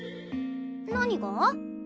何が？